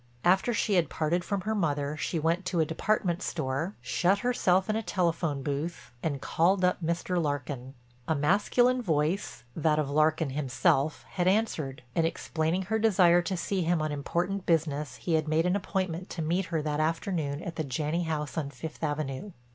After she had parted from her mother she went to a department store, shut herself in a telephone booth, and called up Mr. Larkin. A masculine voice, that of Larkin himself, had answered, and explaining her desire to see him on important business, he had made an appointment to meet her that afternoon at the Janney house on Fifth Avenue.